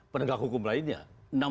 penegak hukum lainnya